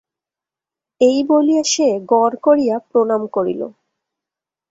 এই বলিয়া সে গড় করিয়া প্রণাম করিল।